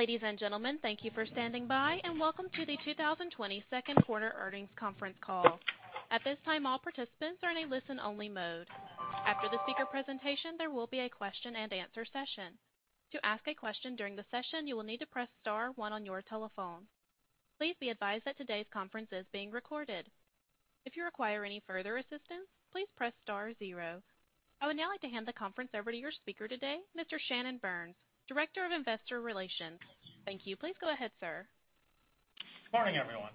Ladies and gentlemen, thank you for standing by, and welcome to the 2020 Second Quarter Earnings Conference call. At this time, all participants are in a listen-only mode. After the speaker presentation, there will be a question-and-answer session. To ask a question during the session, you will need to press star one on your telephone. Please be advised that today's conference is being recorded. If you require any further assistance, please press star zero. I would now like to hand the conference over to your speaker today, Mr. Shannon Burns, Director of Investor Relations. Thank you. Please go ahead, sir. Good morning, everyone.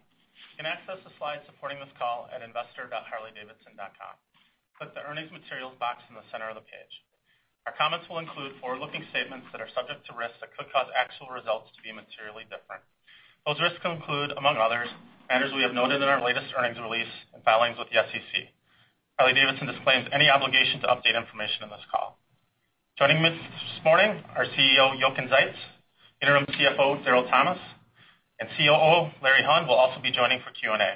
You can access the slides supporting this call at investor.harley-davidson.com. Click the earnings materials box in the center of the page. Our comments will include forward-looking statements that are subject to risks that could cause actual results to be materially different. Those risks include, among others, matters we have noted in our latest earnings release and filings with the SEC. Harley-Davidson disclaims any obligation to update information in this call. Joining me this morning, our CEO, Jochen Zeitz, Interim CFO, Darrell Thomas, and COO, Larry Hund, will also be joining for Q&A.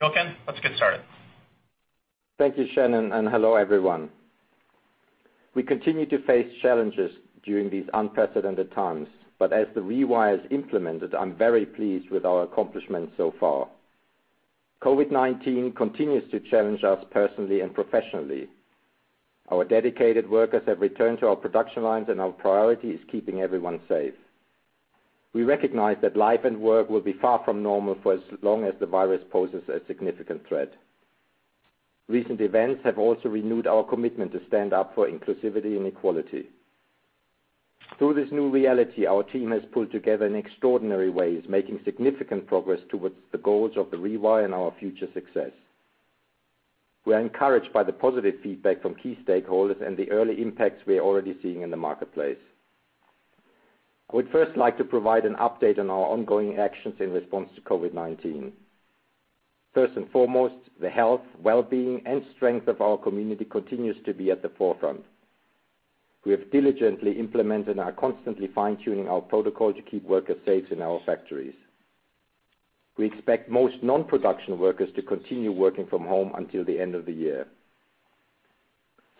Jochen, let's get started. Thank you, Shannon, and hello, everyone. We continue to face challenges during these unprecedented times, but as The Rewire is implemented, I'm very pleased with our accomplishments so far. COVID-19 continues to challenge us personally and professionally. Our dedicated workers have returned to our production lines, and our priority is keeping everyone safe. We recognize that life and work will be far from normal for as long as the virus poses a significant threat. Recent events have also renewed our commitment to stand up for inclusivity and equality. Through this new reality, our team has pulled together in extraordinary ways, making significant progress towards the goals of The Rewire and our future success. We are encouraged by the positive feedback from key stakeholders and the early impacts we are already seeing in the marketplace. I would first like to provide an update on our ongoing actions in response to COVID-19. First and foremost, the health, well-being, and strength of our community continues to be at the forefront. We have diligently implemented and are constantly fine-tuning our protocol to keep workers safe in our factories. We expect most non-production workers to continue working from home until the end of the year.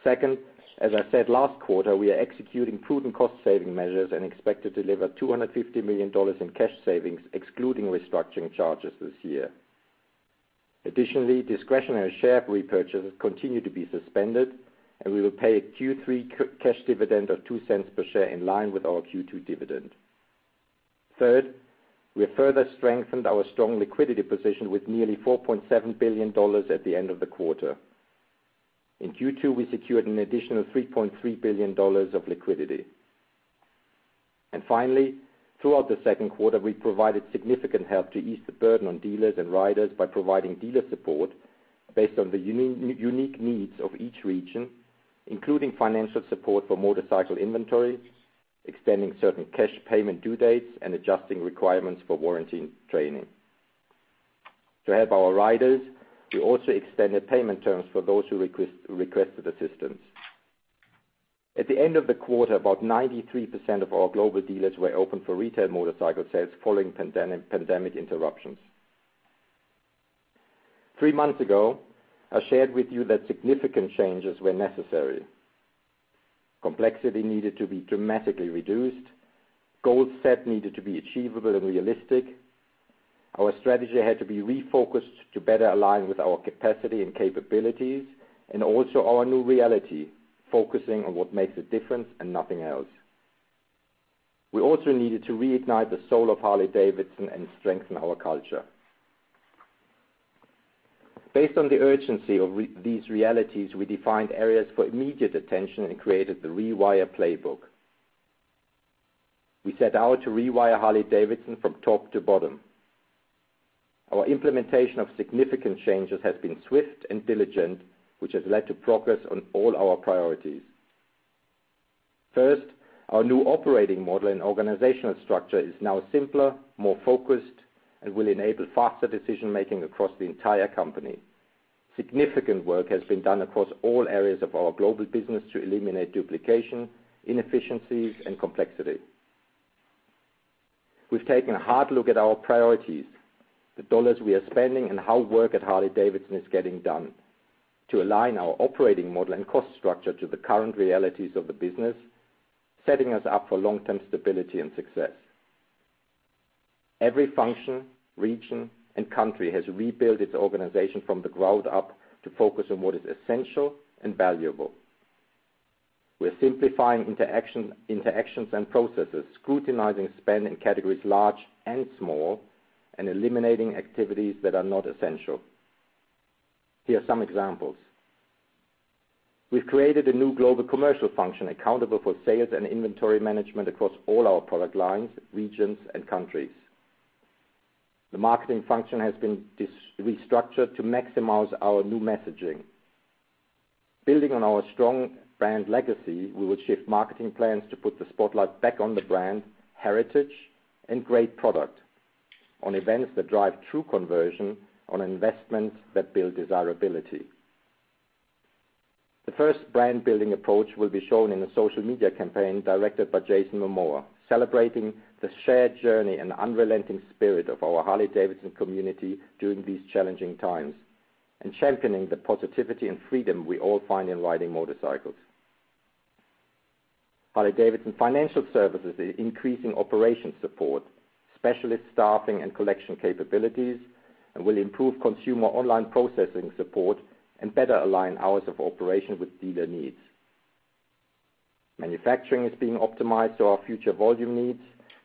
Second, as I said last quarter, we are executing prudent cost-saving measures and expect to deliver $250 million in cash savings, excluding restructuring charges this year. Additionally, discretionary share repurchases continue to be suspended, and we will pay a Q3 cash dividend of $0.02 per share in line with our Q2 dividend. Third, we have further strengthened our strong liquidity position with nearly $4.7 billion at the end of the quarter. In Q2, we secured an additional $3.3 billion of liquidity. And finally, throughout the second quarter, we provided significant help to ease the burden on dealers and riders by providing dealer support based on the unique needs of each region, including financial support for motorcycle inventory, extending certain cash payment due dates, and adjusting requirements for warranty and training. To help our riders, we also extended payment terms for those who requested assistance. At the end of the quarter, about 93% of our global dealers were open for retail motorcycle sales following pandemic interruptions. Three months ago, I shared with you that significant changes were necessary. Complexity needed to be dramatically reduced. Goals set needed to be achievable and realistic. Our strategy had to be refocused to better align with our capacity and capabilities, and also our new reality, focusing on what makes a difference and nothing else. We also needed to reignite the soul of Harley-Davidson and strengthen our culture. Based on the urgency of these realities, we defined areas for immediate attention and created The Rewire playbook. We set out to rewire Harley-Davidson from top to bottom. Our implementation of significant changes has been swift and diligent, which has led to progress on all our priorities. First, our new operating model and organizational structure is now simpler, more focused, and will enable faster decision-making across the entire company. Significant work has been done across all areas of our global business to eliminate duplication, inefficiencies, and complexity. We've taken a hard look at our priorities, the dollars we are spending, and how work at Harley-Davidson is getting done to align our operating model and cost structure to the current realities of the business, setting us up for long-term stability and success. Every function, region, and country has rebuilt its organization from the ground up to focus on what is essential and valuable. We're simplifying interactions and processes, scrutinizing spend in categories large and small, and eliminating activities that are not essential. Here are some examples. We've created a new global commercial function accountable for sales and inventory management across all our product lines, regions, and countries. The marketing function has been restructured to maximize our new messaging. Building on our strong brand legacy, we will shift marketing plans to put the spotlight back on the brand, heritage, and great product, on events that drive true conversion, on investments that build desirability. The first brand-building approach will be shown in a social media campaign directed by Jason Momoa, celebrating the shared journey and unrelenting spirit of our Harley-Davidson community during these challenging times, and championing the positivity and freedom we all find in riding motorcycles. Harley-Davidson Financial Services is increasing operation support, specialist staffing, and collection capabilities, and will improve consumer online processing support and better align hours of operation with dealer needs. Manufacturing is being optimized to our future volume needs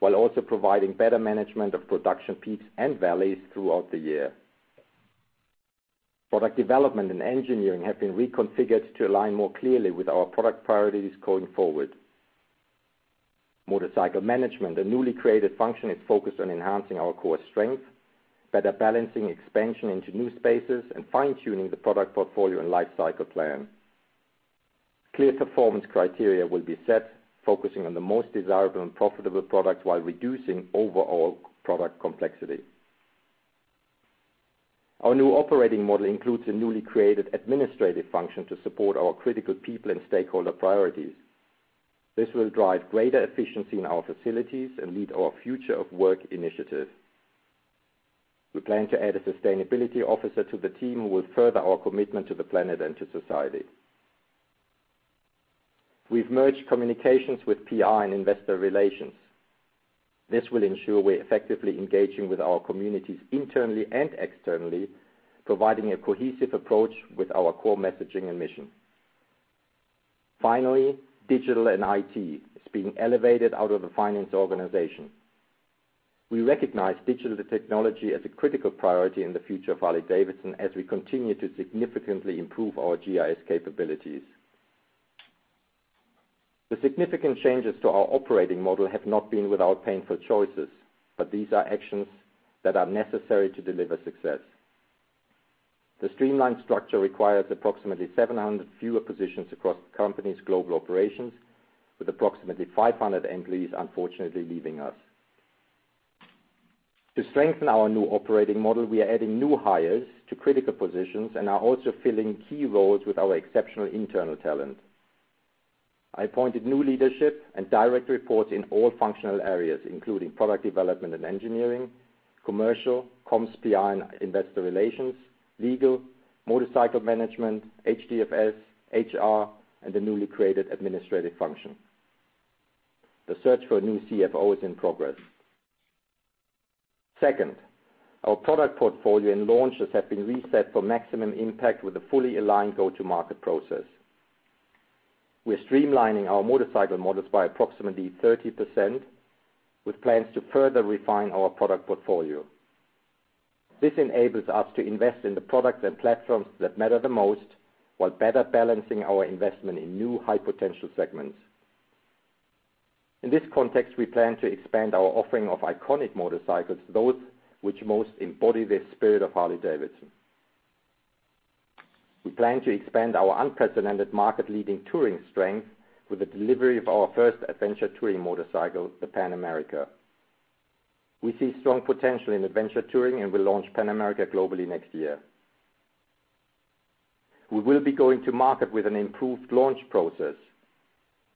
while also providing better management of production peaks and valleys throughout the year. Product development and engineering have been reconfigured to align more clearly with our product priorities going forward. Motorcycle management, a newly created function, is focused on enhancing our core strength, better balancing expansion into new spaces, and fine-tuning the product portfolio and life cycle plan. Clear performance criteria will be set, focusing on the most desirable and profitable products while reducing overall product complexity. Our new operating model includes a newly created administrative function to support our critical people and stakeholder priorities. This will drive greater efficiency in our facilities and lead our future of work initiative. We plan to add a sustainability officer to the team who will further our commitment to the planet and to society. We've merged communications with PR and investor relations. This will ensure we're effectively engaging with our communities internally and externally, providing a cohesive approach with our core messaging and mission. Finally, digital and IT is being elevated out of the finance organization. We recognize digital technology as a critical priority in the future of Harley-Davidson as we continue to significantly improve our GIS capabilities. The significant changes to our operating model have not been without painful choices, but these are actions that are necessary to deliver success. The streamlined structure requires approximately 700 fewer positions across the company's global operations, with approximately 500 employees unfortunately leaving us. To strengthen our new operating model, we are adding new hires to critical positions and are also filling key roles with our exceptional internal talent. I appointed new leadership and direct reports in all functional areas, including Product Development and Engineering, Commercial, Comms, PR, and Investor Relations, Legal, Motorcycle Management, HDFS, HR, and the newly created Administrative function. The search for a new CFO is in progress. Second, our product portfolio and launches have been reset for maximum impact with a fully aligned go-to-market process. We're streamlining our motorcycle models by approximately 30%, with plans to further refine our product portfolio. This enables us to invest in the products and platforms that matter the most while better balancing our investment in new high-potential segments. In this context, we plan to expand our offering of iconic motorcycles, those which most embody the spirit of Harley-Davidson. We plan to expand our unprecedented market-leading touring strength with the delivery of our first adventure touring motorcycle, the Pan America. We see strong potential in adventure touring and will launch Pan America globally next year. We will be going to market with an improved launch process.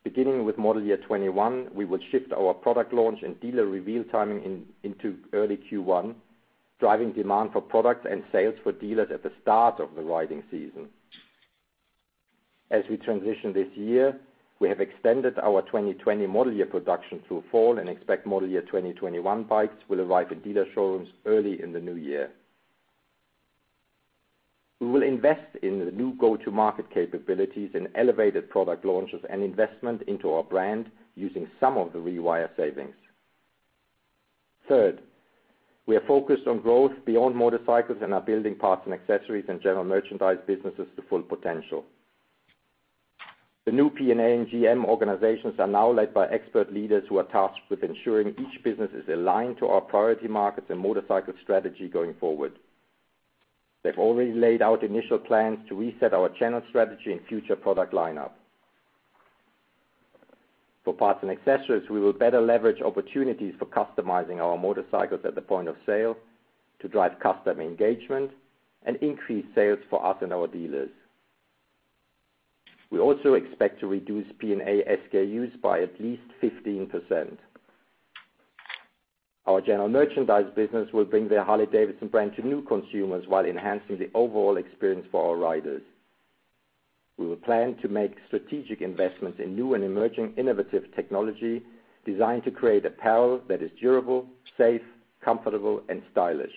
Beginning with model year 2021, we will shift our product launch and dealer reveal timing into early Q1, driving demand for products and sales for dealers at the start of the riding season. As we transition this year, we have extended our 2020 model year production through fall and expect model year 2021 bikes will arrive in dealer showrooms early in the new year. We will invest in the new go-to-market capabilities and elevated product launches and investment into our brand using some of The Rewire savings. Third, we are focused on growth beyond motorcycles and are building Parts and Accessories and General Merchandise businesses to full potential. The new P&A and GM organizations are now led by expert leaders who are tasked with ensuring each business is aligned to our priority markets and motorcycle strategy going forward. They've already laid out initial plans to reset our channel strategy and future product lineup. For Parts & Accessories, we will better leverage opportunities for customizing our motorcycles at the point of sale to drive customer engagement and increase sales for us and our dealers. We also expect to reduce P&A SKUs by at least 15%. Our general merchandise business will bring the Harley-Davidson brand to new consumers while enhancing the overall experience for our riders. We will plan to make strategic investments in new and emerging innovative technology designed to create a power that is durable, safe, comfortable, and stylish.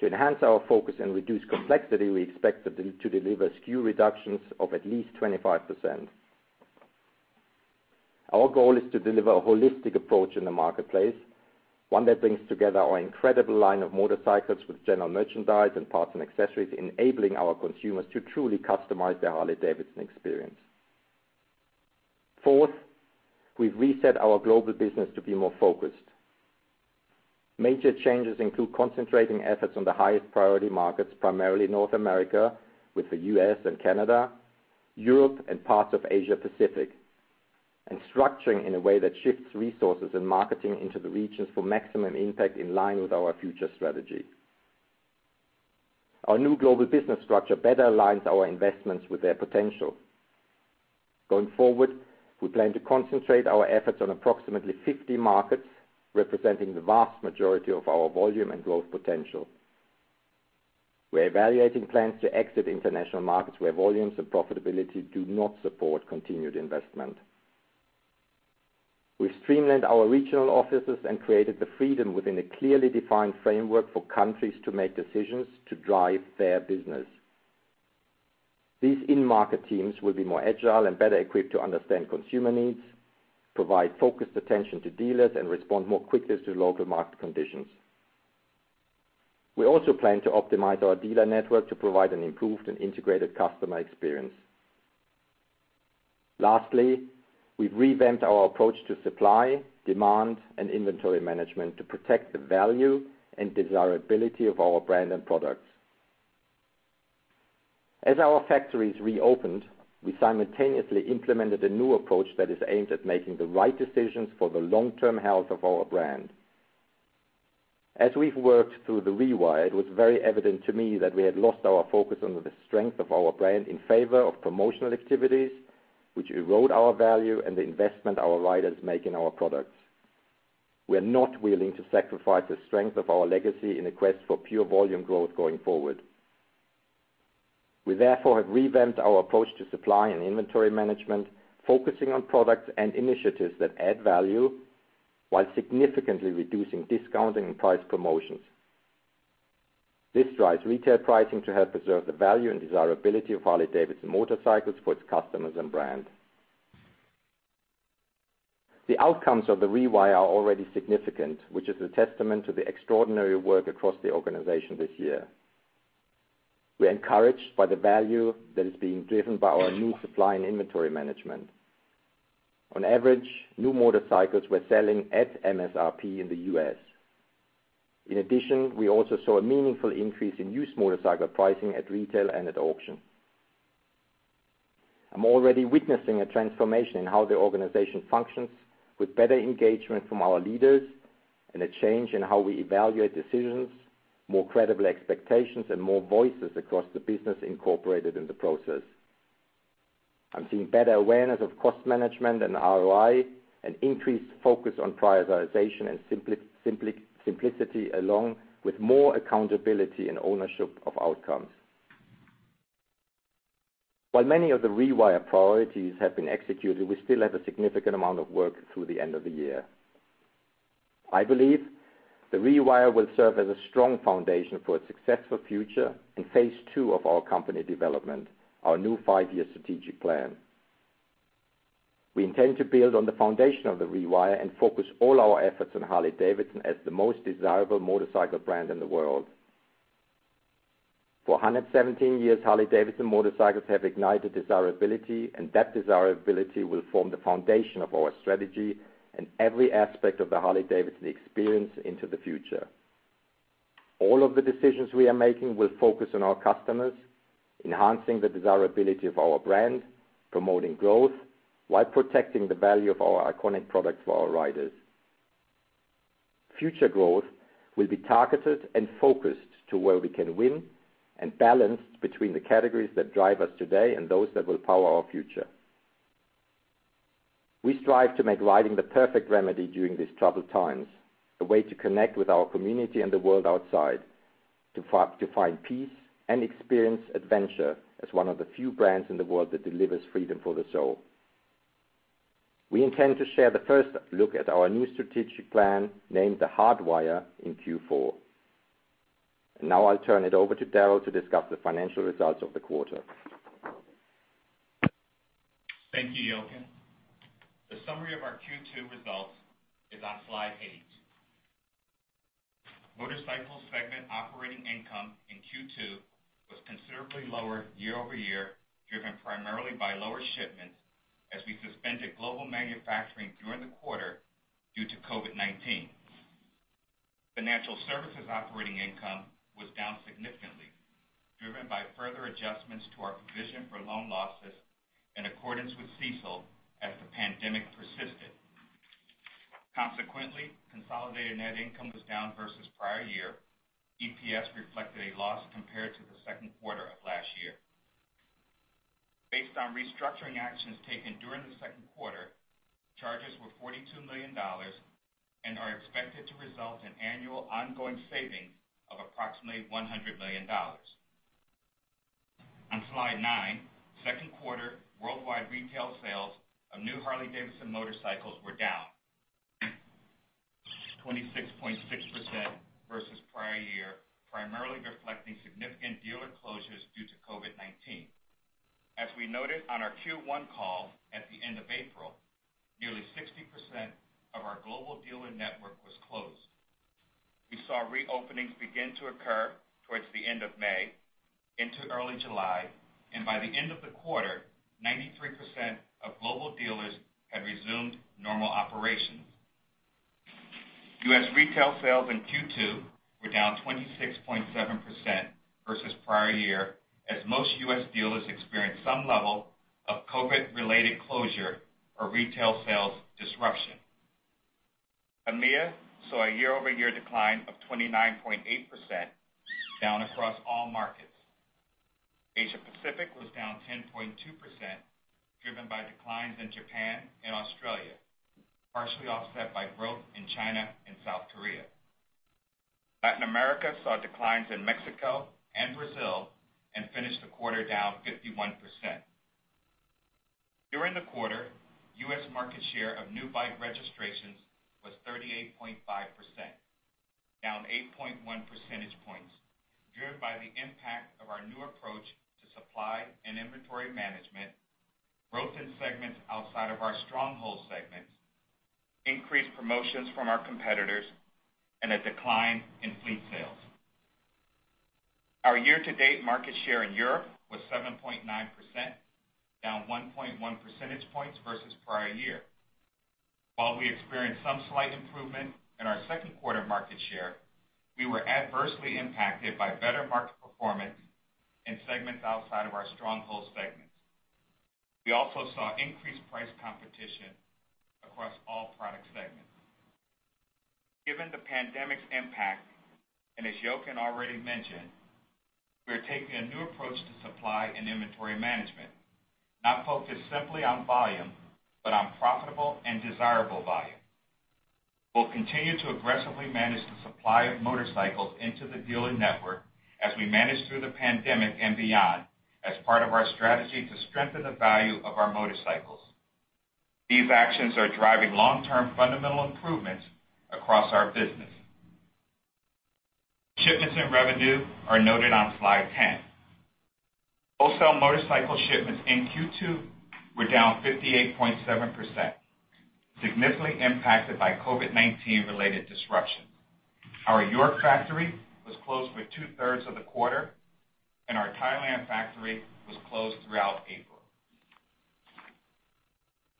To enhance our focus and reduce complexity, we expect to deliver SKU reductions of at least 25%. Our goal is to deliver a holistic approach in the marketplace, one that brings together our incredible line of motorcycles with general merchandise and parts and accessories, enabling our consumers to truly customize their Harley-Davidson experience. Fourth, we've reset our global business to be more focused. Major changes include concentrating efforts on the highest priority markets, primarily North America with the U.S. and Canada, Europe and parts of Asia-Pacific, and structuring in a way that shifts resources and marketing into the regions for maximum impact in line with our future strategy. Our new global business structure better aligns our investments with their potential. Going forward, we plan to concentrate our efforts on approximately 50 markets representing the vast majority of our volume and growth potential. We're evaluating plans to exit international markets where volumes and profitability do not support continued investment. We've streamlined our regional offices and created the freedom within a clearly defined framework for countries to make decisions to drive their business. These in-market teams will be more agile and better equipped to understand consumer needs, provide focused attention to dealers, and respond more quickly to local market conditions. We also plan to optimize our dealer network to provide an improved and integrated customer experience. Lastly, we've revamped our approach to supply, demand, and inventory management to protect the value and desirability of our brand and products. As our factories reopened, we simultaneously implemented a new approach that is aimed at making the right decisions for the long-term health of our brand. As we've worked through The Rewire, it was very evident to me that we had lost our focus on the strength of our brand in favor of promotional activities, which erode our value and the investment our riders make in our products. We're not willing to sacrifice the strength of our legacy in the quest for pure volume growth going forward. We therefore have revamped our approach to supply and inventory management, focusing on products and initiatives that add value while significantly reducing discounting and price promotions. This drives retail pricing to help preserve the value and desirability of Harley-Davidson motorcycles for its customers and brand. The outcomes of The Rewire are already significant, which is a testament to the extraordinary work across the organization this year. We're encouraged by the value that is being driven by our new supply and inventory management. On average, new motorcycles were selling at MSRP in the US. In addition, we also saw a meaningful increase in used motorcycle pricing at retail and at auction. I'm already witnessing a transformation in how the organization functions, with better engagement from our leaders and a change in how we evaluate decisions, more credible expectations, and more voices across the business incorporated in the process. I'm seeing better awareness of cost management and ROI, an increased focus on prioritization and simplicity, along with more accountability and ownership of outcomes. While many of The Rewire priorities have been executed, we still have a significant amount of work through the end of the year. I believe The Rewire will serve as a strong foundation for a successful future in phase two of our company development, our new five-year strategic plan. We intend to build on the foundation of The Rewire and focus all our efforts on Harley-Davidson as the most desirable motorcycle brand in the world. For 117 years, Harley-Davidson motorcycles have ignited desirability, and that desirability will form the foundation of our strategy and every aspect of the Harley-Davidson experience into the future. All of the decisions we are making will focus on our customers, enhancing the desirability of our brand, promoting growth while protecting the value of our iconic products for our riders. Future growth will be targeted and focused to where we can win and balanced between the categories that drive us today and those that will power our future. We strive to make riding the perfect remedy during these troubled times, a way to connect with our community and the world outside, to find peace and experience adventure as one of the few brands in the world that delivers freedom for the soul. We intend to share the first look at our new strategic plan named the Hardwire in Q4. And now I'll turn it over to Darrell to discuss the financial results of the quarter. Thank you, Jochen. The summary of our Q2 results is on slide 8. Motorcycle segment operating income in Q2 was considerably lower year over year, driven primarily by lower shipments as we suspended global manufacturing during the quarter due to COVID-19. Financial services operating income was down significantly, driven by further adjustments to our provision for loan losses in accordance with CECL as the pandemic persisted. Consequently, consolidated net income was down versus prior year. EPS reflected a loss compared to the second quarter of last year. Based on restructuring actions taken during the second quarter, charges were $42 million and are expected to result in annual ongoing savings of approximately $100 million. On slide 9, second quarter worldwide retail sales of new Harley-Davidson motorcycles were down 26.6% versus prior year, primarily reflecting significant dealer closures due to COVID-19. As we noted on our Q1 call at the end of April, nearly 60% of our global dealer network was closed. We saw reopenings begin to occur towards the end of May into early July, and by the end of the quarter, 93% of global dealers had resumed normal operations. U.S. retail sales in Q2 were down 26.7% versus prior year as most U.S. dealers experienced some level of COVID-related closure or retail sales disruption. EMEA saw a year-over-year decline of 29.8%, down across all markets. Asia-Pacific was down 10.2%, driven by declines in Japan and Australia, partially offset by growth in China and South Korea. Latin America saw declines in Mexico and Brazil and finished the quarter down 51%. During the quarter, U.S. market share of new bike registrations was 38.5%, down 8.1 percentage points, driven by the impact of our new approach to supply and inventory management, growth in segments outside of our stronghold segments, increased promotions from our competitors, and a decline in fleet sales. Our year-to-date market share in Europe was 7.9%, down 1.1 percentage points versus prior year. While we experienced some slight improvement in our second quarter market share, we were adversely impacted by better market performance in segments outside of our stronghold segments. We also saw increased price competition across all product segments. Given the pandemic's impact, and as Jochen already mentioned, we are taking a new approach to supply and inventory management, not focused simply on volume, but on profitable and desirable volume. We'll continue to aggressively manage the supply of motorcycles into the dealer network as we manage through the pandemic and beyond as part of our strategy to strengthen the value of our motorcycles. These actions are driving long-term fundamental improvements across our business. Shipments and revenue are noted on slide 10. Wholesale motorcycle shipments in Q2 were down 58.7%, significantly impacted by COVID-19-related disruptions. Our York factory was closed for two-thirds of the quarter, and our Thailand factory was closed throughout April.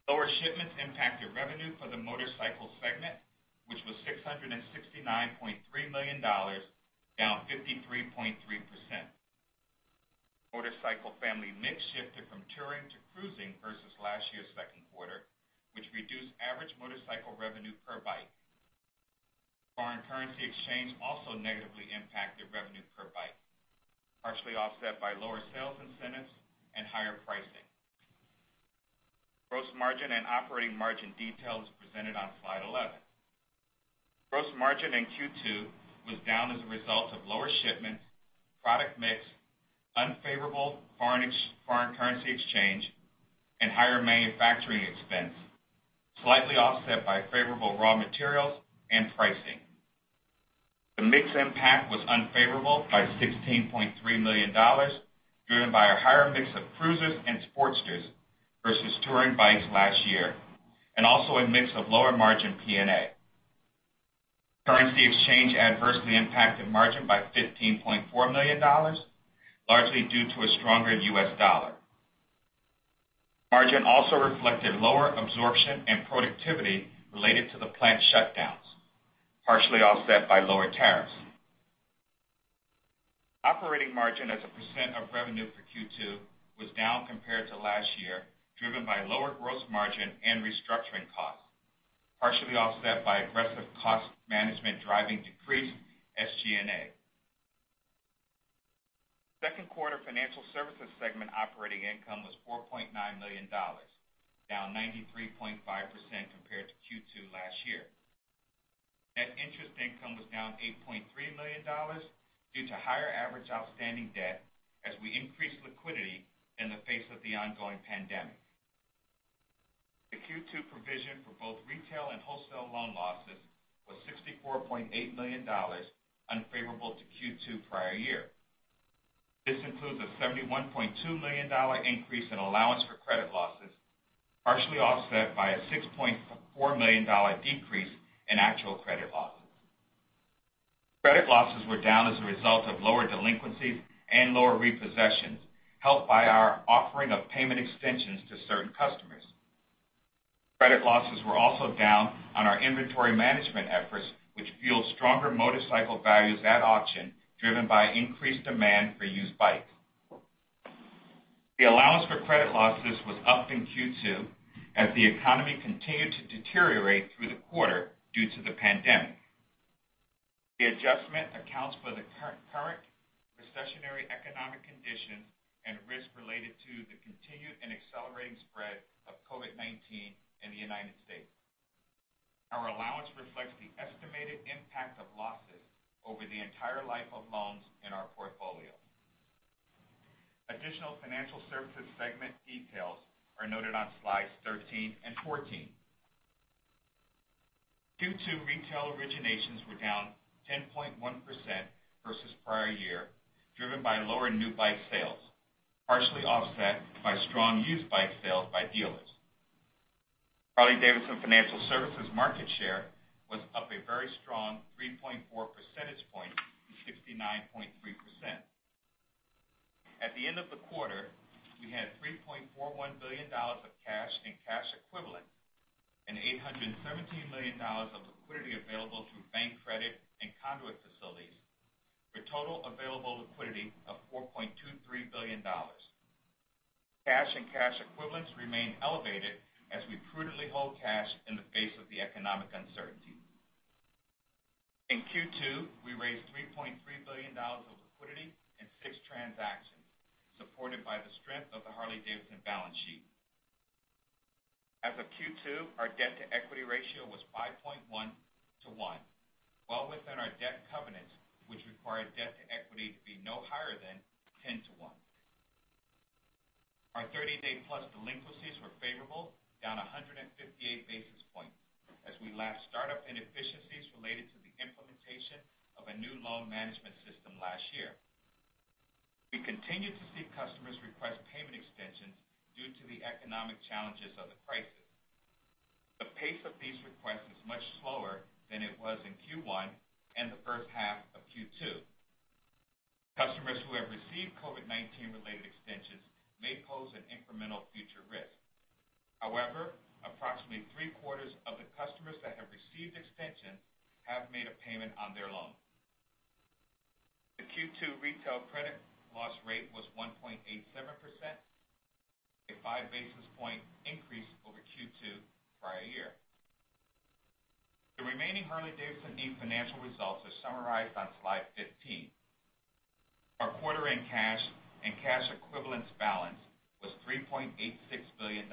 Lower shipments impacted revenue for the motorcycle segment, which was $669.3 million, down 53.3%. Motorcycle family mix shifted from touring to cruising versus last year's second quarter, which reduced average motorcycle revenue per bike. Foreign currency exchange also negatively impacted revenue per bike, partially offset by lower sales incentives and higher pricing. Gross margin and operating margin details presented on slide 11. Gross margin in Q2 was down as a result of lower shipments, product mix, unfavorable foreign currency exchange, and higher manufacturing expense, slightly offset by favorable raw materials and pricing. The mix impact was unfavorable by $16.3 million, driven by a higher mix of cruisers and sportsters versus touring bikes last year, and also a mix of lower margin P&A. Currency exchange adversely impacted margin by $15.4 million, largely due to a stronger U.S. dollar. Margin also reflected lower absorption and productivity related to the plant shutdowns, partially offset by lower tariffs. Operating margin as a percent of revenue for Q2 was down compared to last year, driven by lower gross margin and restructuring costs, partially offset by aggressive cost management driving decreased SG&A. Second quarter financial services segment operating income was $4.9 million, down 93.5% compared to Q2 last year. Net interest income was down $8.3 million due to higher average outstanding debt as we increased liquidity in the face of the ongoing pandemic. The Q2 provision for both retail and wholesale loan losses was $64.8 million, unfavorable to Q2 prior year. This includes a $71.2 million increase in allowance for credit losses, partially offset by a $6.4 million decrease in actual credit losses. Credit losses were down as a result of lower delinquencies and lower repossessions, helped by our offering of payment extensions to certain customers. Credit losses were also down on our inventory management efforts, which fueled stronger motorcycle values at auction, driven by increased demand for used bikes. The allowance for credit losses was upped in Q2 as the economy continued to deteriorate through the quarter due to the pandemic. The adjustment accounts for the current recessionary economic conditions and risk related to the continued and accelerating spread of COVID-19 in the United States. Our allowance reflects the estimated impact of losses over the entire life of loans in our portfolio. Additional financial services segment details are noted on slides 13 and 14. Q2 retail originations were down 10.1% versus prior year, driven by lower new bike sales, partially offset by strong used bike sales by dealers. Harley-Davidson financial services market share was up a very strong 3.4 percentage points to 69.3%. At the end of the quarter, we had $3.41 billion of cash and cash equivalent, and $817 million of liquidity available through bank credit and conduit facilities, for total available liquidity of $4.23 billion. Cash and cash equivalents remained elevated as we prudently hold cash in the face of the economic uncertainty. In Q2, we raised $3.3 billion of liquidity in six transactions, supported by the strength of the Harley-Davidson balance sheet. As of Q2, our debt-to-equity ratio was 5.1 to 1, well within our debt covenants, which required debt-to-equity to be no higher than 10 to 1. Our 30-day plus delinquencies were favorable, down 158 basis points, as we lacked startup inefficiencies related to the implementation of a new loan management system last year. We continue to see customers request payment extensions due to the economic challenges of the crisis. The pace of these requests is much slower than it was in Q1 and the first half of Q2. Customers who have received COVID-19-related extensions may pose an incremental future risk. However, approximately three-quarters of the customers that have received extensions have made a payment on their loan. The Q2 retail credit loss rate was 1.87%, a 5 basis point increase over Q2 prior year. The remaining Harley-Davidson E financial results are summarized on slide 15. Our quarter-end cash and cash equivalents balance was $3.86 billion.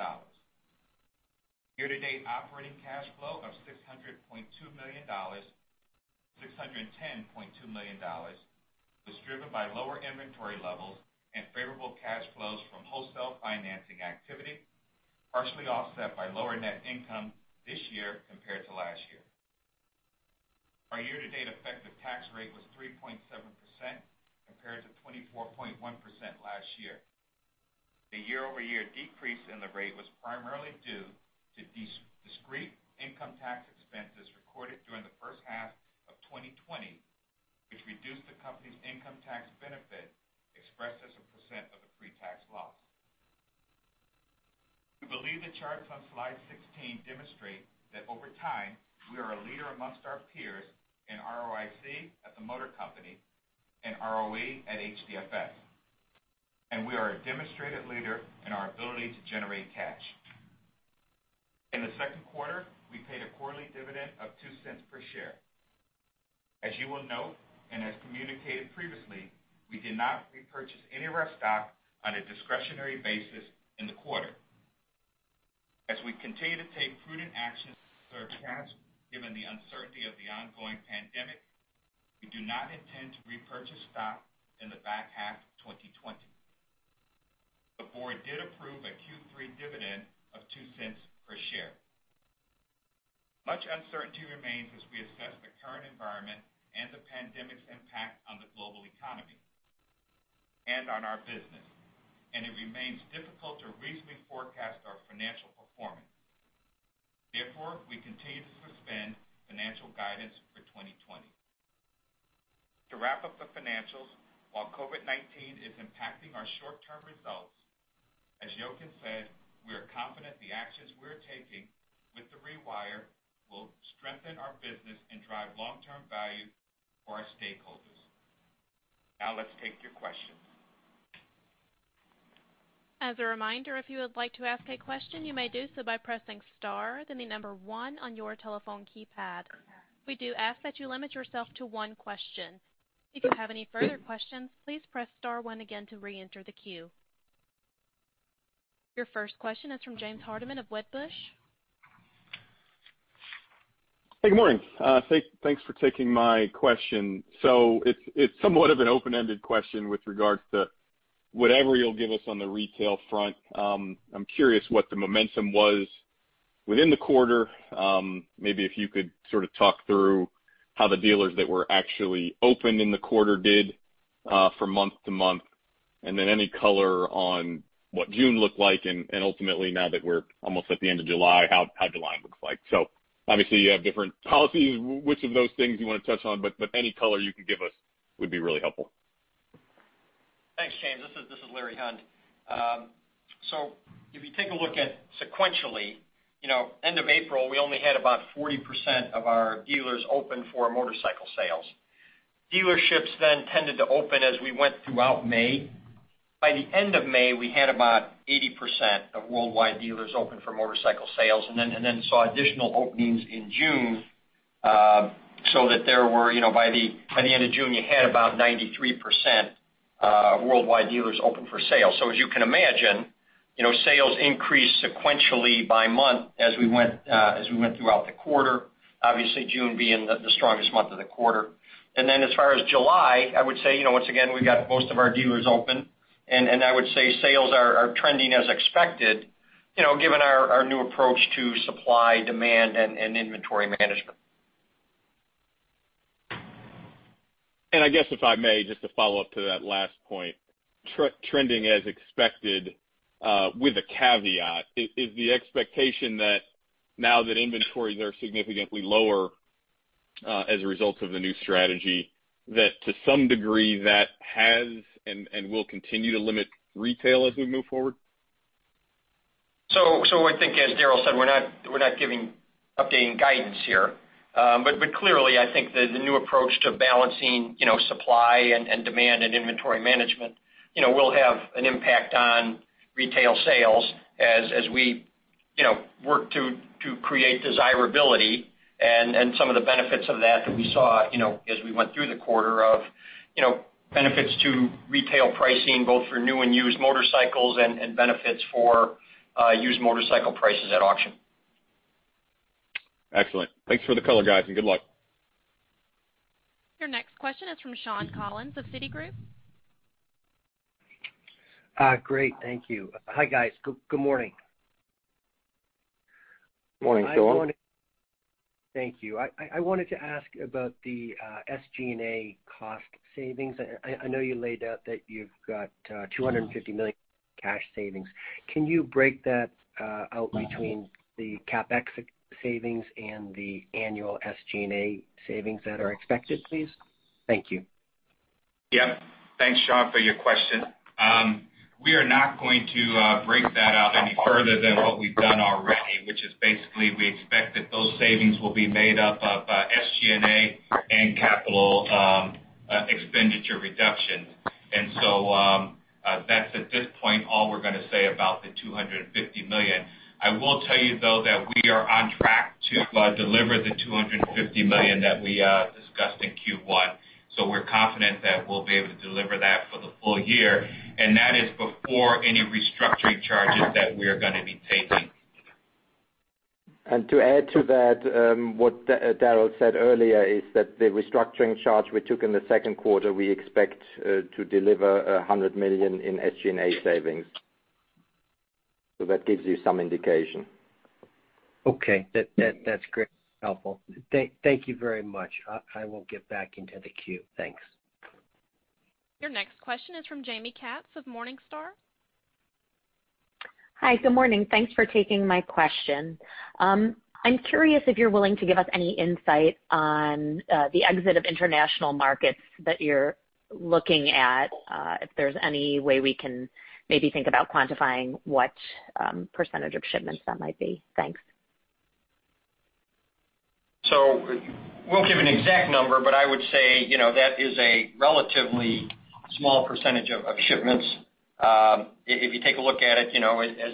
Year-to-date operating cash flow of $610.2 million was driven by lower inventory levels and favorable cash flows from wholesale financing activity, partially offset by lower net income this year compared to last year. Our year-to-date effective tax rate was 3.7% compared to 24.1% last year. The year-over-year decrease in the rate was primarily due to discrete income tax expenses recorded during the first half of 2020, which reduced the company's income tax benefit expressed as a percent of the pre-tax loss. We believe the charts on slide 16 demonstrate that over time, we are a leader amongst our peers in ROIC at the Motor Company and ROE at HDFS, and we are a demonstrated leader in our ability to generate cash. In the second quarter, we paid a quarterly dividend of $0.02 per share. As you will note and as communicated previously, we did not repurchase any of our stock on a discretionary basis in the quarter. As we continue to take prudent actions for our chance, given the uncertainty of the ongoing pandemic, we do not intend to repurchase stock in the back half of 2020. The board did approve a Q3 dividend of $0.02 per share. Much uncertainty remains as we assess the current environment and the pandemic's impact on the global economy and on our business, and it remains difficult to reasonably forecast our financial performance. Therefore, we continue to suspend financial guidance for 2020. To wrap up the financials, while COVID-19 is impacting our short-term results, as Jochen said, we are confident the actions we are taking with The Rewire will strengthen our business and drive long-term value for our stakeholders. Now, let's take your questions. As a reminder, if you would like to ask a question, you may do so by pressing star then the number one on your telephone keypad. We do ask that you limit yourself to one question. If you have any further questions, please press star one again to re-enter the queue. Your first question is from James Hardiman of Wedbush. Hey, good morning. Thanks for taking my question. So it's somewhat of an open-ended question with regards to whatever you'll give us on the retail front. I'm curious what the momentum was within the quarter, maybe if you could sort of talk through how the dealers that were actually open in the quarter did from month to month, and then any color on what June looked like, and ultimately, now that we're almost at the end of July, how July looks like. So obviously, you have different policies, which of those things you want to touch on, but any color you can give us would be really helpful. Thanks, James. This is Larry Hund. So if you take a look at sequentially, end of April, we only had about 40% of our dealers open for motorcycle sales. Dealerships then tended to open as we went throughout May. By the end of May, we had about 80% of worldwide dealers open for motorcycle sales, and then saw additional openings in June so that there were, by the end of June, you had about 93% of worldwide dealers open for sales. So as you can imagine, sales increased sequentially by month as we went throughout the quarter, obviously, June being the strongest month of the quarter. And then as far as July, I would say, once again, we've got most of our dealers open, and I would say sales are trending as expected, given our new approach to supply, demand, and inventory management. And I guess if I may, just to follow up to that last point, trending as expected with a caveat, is the expectation that now that inventories are significantly lower as a result of the new strategy, that to some degree that has and will continue to limit retail as we move forward? So I think, as Darrell said, we're not giving updating guidance here. But clearly, I think the new approach to balancing supply and demand and inventory management will have an impact on retail sales as we work to create desirability and some of the benefits of that that we saw as we went through the quarter of benefits to retail pricing, both for new and used motorcycles, and benefits for used motorcycle prices at auction. Excellent. Thanks for the color, guys, and good luck. Your next question is from Shawn Collins of Citigroup. Great. Thank you. Hi, guys. Good morning. Morning, Shawn. Hi, Shawn. Thank you. I wanted to ask about the SG&A cost savings. I know you laid out that you've got $250 million cash savings. Can you break that out between the CapEx savings and the annual SG&A savings that are expected, please? Thank you. Yep. Thanks, Sean, for your question. We are not going to break that out any further than what we've done already, which is basically we expect that those savings will be made up of SG&A and capital expenditure reduction. And so that's at this point all we're going to say about the $250 million. I will tell you, though, that we are on track to deliver the $250 million that we discussed in Q1. So we're confident that we'll be able to deliver that for the full year, and that is before any restructuring charges that we are going to be taking. And to add to that, what Darrell said earlier is that the restructuring charge we took in the second quarter, we expect to deliver $100 million in SG&A savings. So that gives you some indication. Okay. That's great and helpful. Thank you very much. I will get back into the queue. Thanks. Your next question is from Jamie Katz of Morningstar. Hi. Good morning. Thanks for taking my question. I'm curious if you're willing to give us any insight on the exit of international markets that you're looking at, if there's any way we can maybe think about quantifying what percentage of shipments that might be. Thanks. So we'll give an exact number, but I would say that is a relatively small percentage of shipments. If you take a look at it, as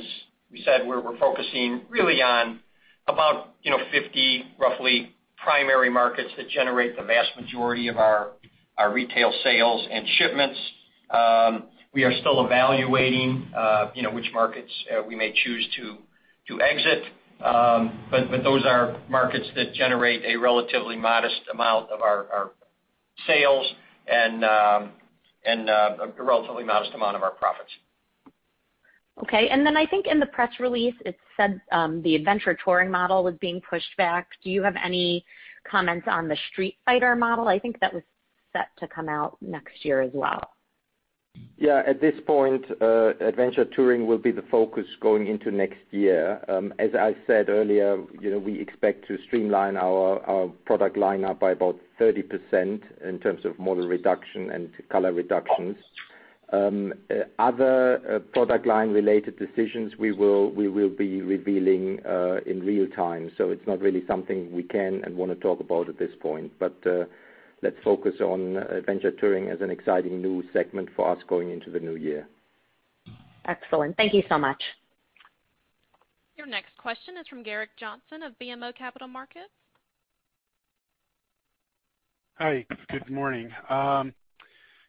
we said, we're focusing really on about 50, roughly, primary markets that generate the vast majority of our retail sales and shipments. We are still evaluating which markets we may choose to exit, but those are markets that generate a relatively modest amount of our sales and a relatively modest amount of our profits. Okay. And then I think in the press release, it said the adventure touring model was being pushed back. Do you have any comments on the Streetfighter model? I think that was set to come out next year as well. Yeah. At this point, adventure touring will be the focus going into next year. As I said earlier, we expect to streamline our product lineup by about 30% in terms of model reduction and color reductions. Other product line-related decisions we will be revealing in real time, so it's not really something we can and want to talk about at this point. But let's focus on adventure touring as an exciting new segment for us going into the new year. Excellent. Thank you so much. Your next question is from Gerrick Johnson of BMO Capital Markets. Hi. Good morning. I'm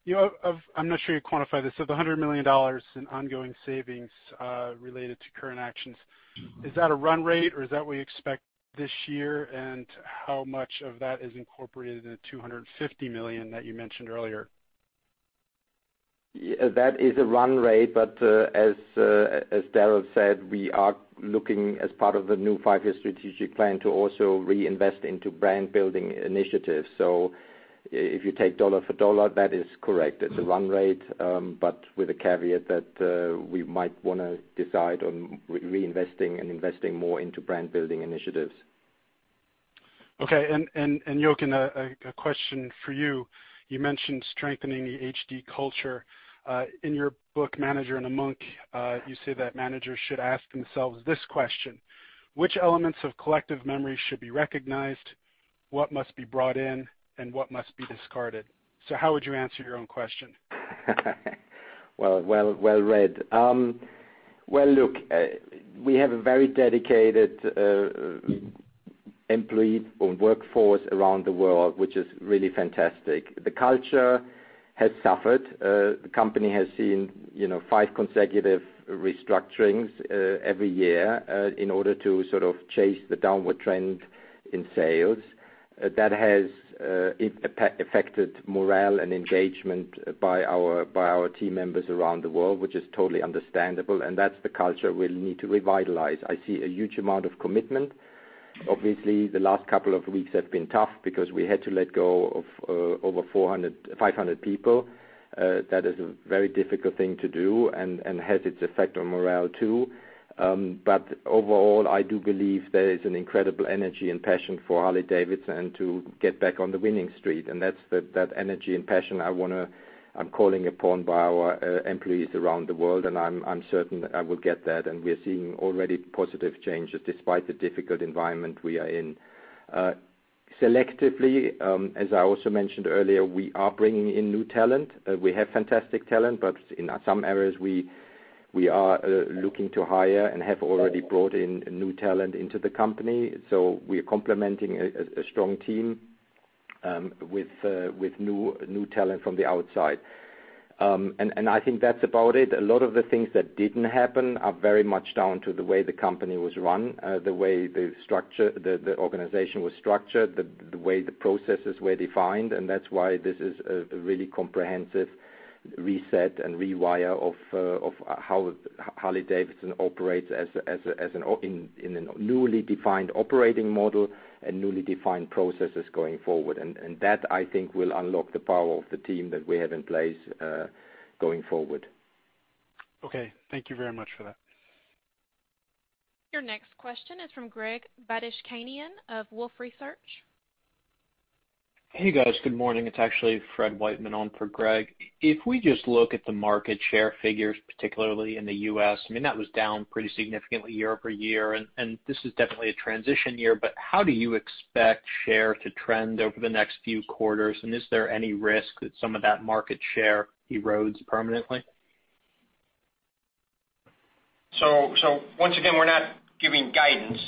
not sure you quantify this. So the $100 million in ongoing savings related to current actions, is that a run rate, or is that what you expect this year, and how much of that is incorporated in the $250 million that you mentioned earlier? That is a run rate, but as Darrell said, we are looking, as part of the new five-year strategic plan, to also reinvest into brand-building initiatives. So if you take dollar for dollar, that is correct. It's a run rate, but with a caveat that we might want to decide on reinvesting and investing more into brand-building initiatives. Okay. And Jochen, a question for you. You mentioned strengthening the HD culture. In your book, The Manager and the Monk, you say that managers should ask themselves this question: Which elements of collective memory should be recognized, what must be brought in, and what must be discarded? So how would you answer your own question? Well read. Well, look, we have a very dedicated employee workforce around the world, which is really fantastic. The culture has suffered. The company has seen five consecutive restructurings every year in order to sort of chase the downward trend in sales. That has affected morale and engagement by our team members around the world, which is totally understandable, and that's the culture we'll need to revitalize. I see a huge amount of commitment. Obviously, the last couple of weeks have been tough because we had to let go of over 500 people. That is a very difficult thing to do and has its effect on morale too. But overall, I do believe there is an incredible energy and passion for Harley-Davidson and to get back on the winning street. And that's that energy and passion I want to—I'm calling upon by our employees around the world, and I'm certain I will get that. And we're seeing already positive changes despite the difficult environment we are in. Selectively, as I also mentioned earlier, we are bringing in new talent. We have fantastic talent, but in some areas, we are looking to hire and have already brought in new talent into the company. So we are complementing a strong team with new talent from the outside. And I think that's about it. A lot of the things that didn't happen are very much down to the way the company was run, the way the organization was structured, the way the processes were defined, and that's why this is a really comprehensive reset and rewire of how Harley-Davidson operates in a newly defined operating model and newly defined processes going forward. And that, I think, will unlock the power of the team that we have in place going forward. Okay. Thank you very much for that. Your next question is from Greg Badishkanian of Wolfe Research. Hey, guys. Good morning. It's actually Fred Wightman on for Greg. If we just look at the market share figures, particularly in the US, I mean, that was down pretty significantly year over year, and this is definitely a transition year, but how do you expect share to trend over the next few quarters, and is there any risk that some of that market share erodes permanently? So once again, we're not giving guidance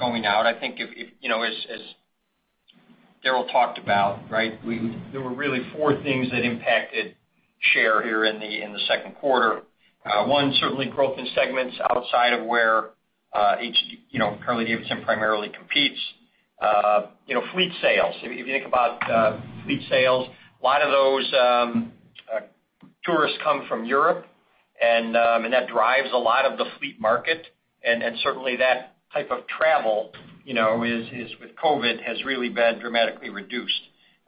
going out. I think, as Darrell talked about, right, there were really four things that impacted share here in the second quarter. One, certainly growth in segments outside of where Harley-Davidson primarily competes. Fleet sales. If you think about fleet sales, a lot of those tourists come from Europe, and that drives a lot of the fleet market. And certainly, that type of travel, with COVID, has really been dramatically reduced.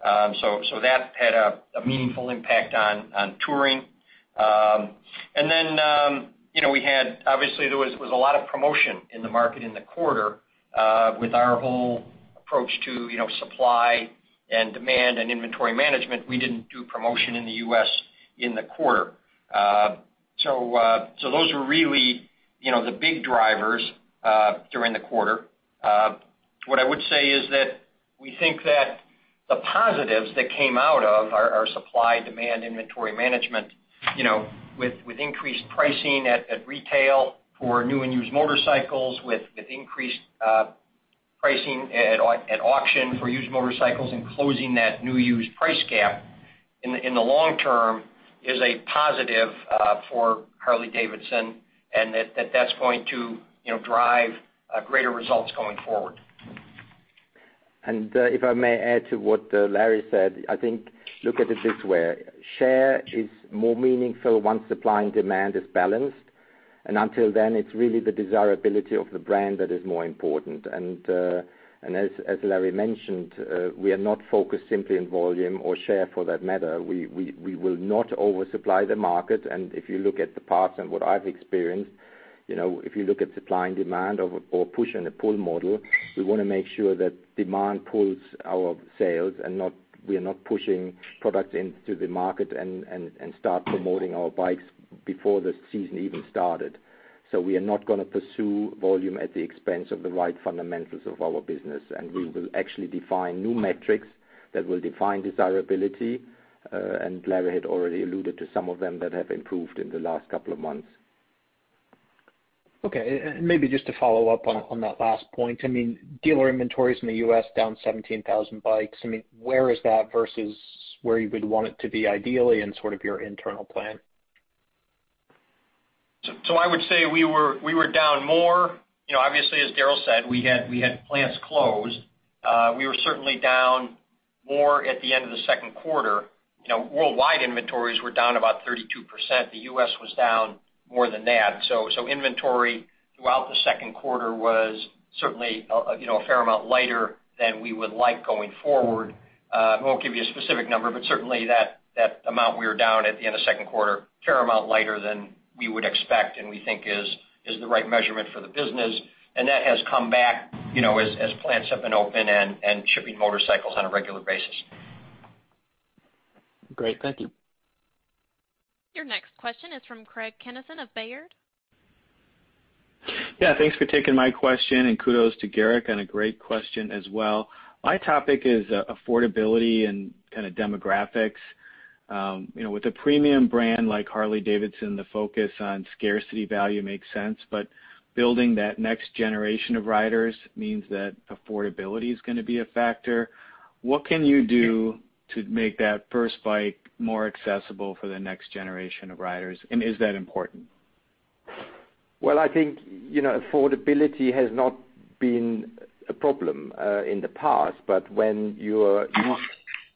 So that had a meaningful impact on touring. And then we had, obviously, there was a lot of promotion in the market in the quarter. With our whole approach to supply and demand and inventory management, we didn't do promotion in the US in the quarter. So those were really the big drivers during the quarter. What I would say is that we think that the positives that came out of our supply-demand inventory management, with increased pricing at retail for new and used motorcycles, with increased pricing at auction for used motorcycles and closing that new-use price gap in the long term, is a positive for Harley-Davidson, and that that's going to drive greater results going forward. And if I may add to what Larry said, I think look at it this way. Share is more meaningful once supply and demand is balanced, and until then, it's really the desirability of the brand that is more important. And as Larry mentioned, we are not focused simply on volume or share for that matter. We will not oversupply the market, and if you look at the past and what I've experienced, if you look at supply and demand or push-and-pull model, we want to make sure that demand pulls our sales, and we are not pushing products into the market and start promoting our bikes before the season even started. So we are not going to pursue volume at the expense of the right fundamentals of our business, and we will actually define new metrics that will define desirability, and Larry had already alluded to some of them that have improved in the last couple of months. Okay. And maybe just to follow up on that last point, I mean, dealer inventories in the U.S. down 17,000 bikes. I mean, where is that versus where you would want it to be ideally in sort of your internal plan? So I would say we were down more. Obviously, as Darrell said, we had plants closed. We were certainly down more at the end of the second quarter. Worldwide inventories were down about 32%. The U.S. was down more than that. So inventory throughout the second quarter was certainly a fair amount lighter than we would like going forward. I won't give you a specific number, but certainly that amount we were down at the end of the second quarter, a fair amount lighter than we would expect and we think is the right measurement for the business. And that has come back as plants have been open and shipping motorcycles on a regular basis. Great. Thank you. Your next question is from Craig Kennison of Baird. Yeah. Thanks for taking my question, and kudos to Gerrick on a great question as well. My topic is affordability and kind of demographics. With a premium brand like Harley-Davidson, the focus on scarcity value makes sense, but building that next generation of riders means that affordability is going to be a factor. What can you do to make that first bike more accessible for the next generation of riders, and is that important? Well, I think affordability has not been a problem in the past, but when your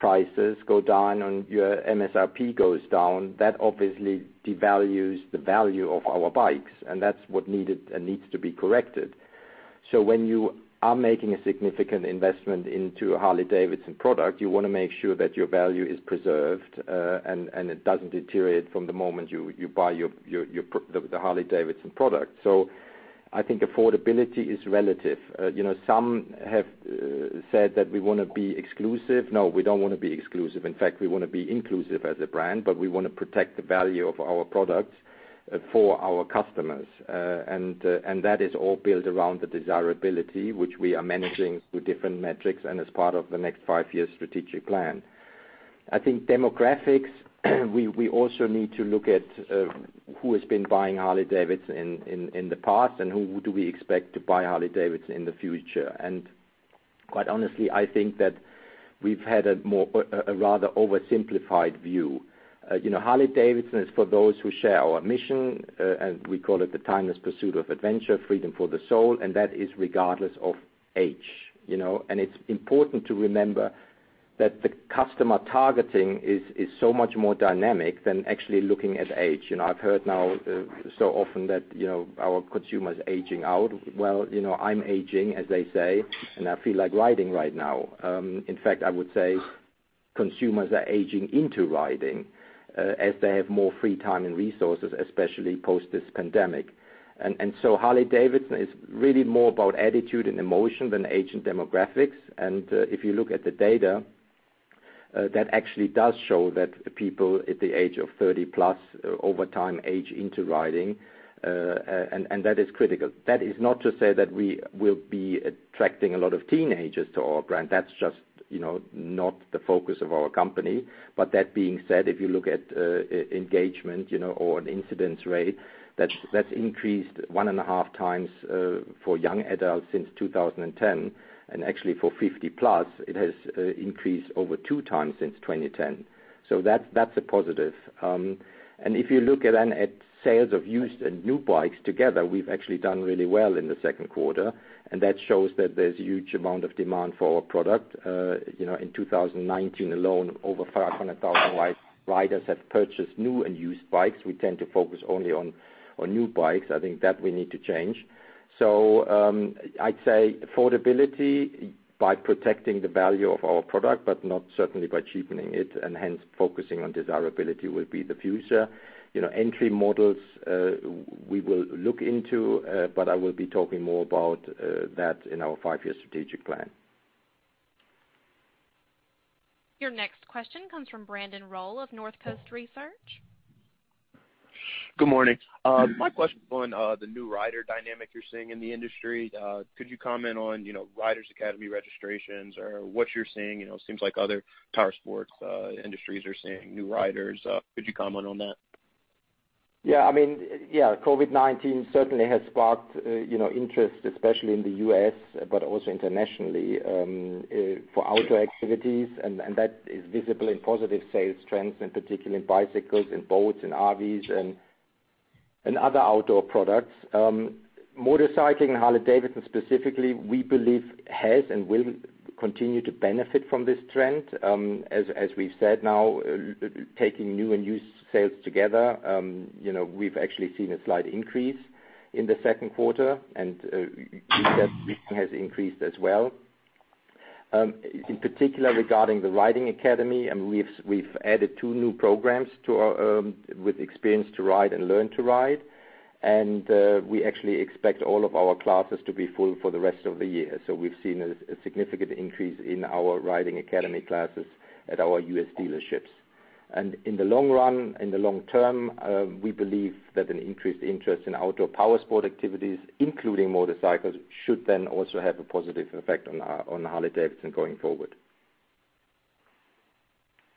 prices go down and your MSRP goes down, that obviously devalues the value of our bikes, and that's what needed and needs to be corrected. So when you are making a significant investment into a Harley-Davidson product, you want to make sure that your value is preserved and it doesn't deteriorate from the moment you buy the Harley-Davidson product. So I think affordability is relative. Some have said that we want to be exclusive. No, we don't want to be exclusive. In fact, we want to be inclusive as a brand, but we want to protect the value of our products for our customers. And that is all built around the desirability, which we are managing through different metrics and as part of the next five-year strategic plan. I think demographics, we also need to look at who has been buying Harley-Davidson in the past, and who do we expect to buy Harley-Davidson in the future. And quite honestly, I think that we've had a rather oversimplified view. Harley-Davidson is for those who share our mission, and we call it the timeless pursuit of adventure, freedom for the soul, and that is regardless of age. And it's important to remember that the customer targeting is so much more dynamic than actually looking at age. I've heard now so often that our consumer is aging out. Well, I'm aging, as they say, and I feel like riding right now. In fact, I would say consumers are aging into riding as they have more free time and resources, especially post this pandemic. And so Harley-Davidson is really more about attitude and emotion than age and demographics. And if you look at the data, that actually does show that people at the age of 30 plus over time age into riding, and that is critical. That is not to say that we will be attracting a lot of teenagers to our brand. That's just not the focus of our company. But that being said, if you look at engagement or incidence rate, that's increased one and a half times for young adults since 2010, and actually for 50+ years old, it has increased over two times since 2010. So that's a positive. And if you look at sales of used and new bikes together, we've actually done really well in the second quarter, and that shows that there's a huge amount of demand for our product. In 2019 alone, over 500,000 riders have purchased new and used bikes. We tend to focus only on new bikes. I think that we need to change. So I'd say affordability by protecting the value of our product, but not certainly by cheapening it, and hence focusing on desirability will be the future. Entry models we will look into, but I will be talking more about that in our five-year strategic plan. Your next question comes from Brandon Rollé of North Coast Research. Good morning. My question on the new rider dynamic you're seeing in the industry. Could you comment on Riders Academy registrations or what you're seeing? It seems like other power sports industries are seeing new riders. Could you comment on that? Yeah. I mean, yeah, COVID-19 certainly has sparked interest, especially in the U.S., but also internationally for outdoor activities, and that is visible in positive sales trends, in particular in bicycles and boats and RVs and other outdoor products. Motorcycling and Harley-Davidson specifically, we believe has and will continue to benefit from this trend. As we've said now, taking new and used sales together, we've actually seen a slight increase in the second quarter, and that has increased as well. In particular, regarding the Riding Academy, we've added two new programs with Experience to Ride and Learn to Ride, and we actually expect all of our classes to be full for the rest of the year. So we've seen a significant increase in our Riding Academy classes at our U.S. dealerships. And in the long run, in the long term, we believe that an increased interest in outdoor power sport activities, including motorcycles, should then also have a positive effect on Harley-Davidson going forward.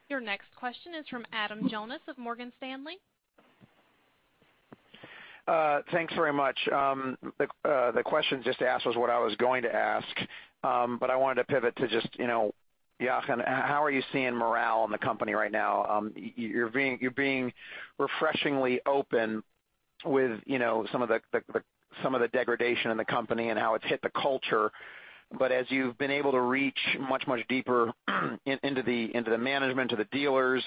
Your next question is from Adam Jonas of Morgan Stanley. Thanks very much. The question just asked was what I was going to ask, but I wanted to pivot to just, Jochen, how are you seeing morale in the company right now? You're being refreshingly open with some of the degradation in the company and how it's hit the culture, but as you've been able to reach much, much deeper into the management, to the dealers,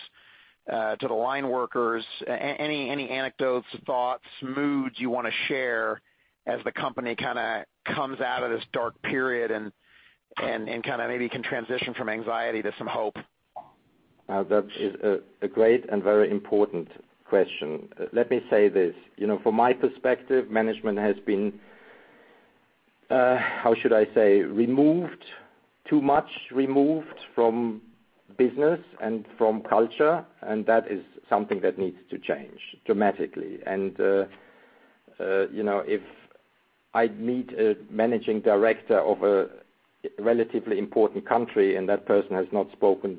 to the line workers, any anecdotes, thoughts, moods you want to share as the company kind of comes out of this dark period and kind of maybe can transition from anxiety to some hope? That is a great and very important question. Let me say this. From my perspective, management has been, how should I say, removed, too much removed from business and from culture, and that is something that needs to change dramatically. And if I meet a managing director of a relatively important country and that person has not spoken